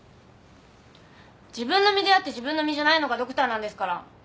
自分の身であって自分の身じゃないのがドクターなんですから。